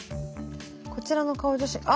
「こちらの顔写真」。